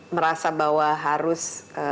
merasa bahwa harus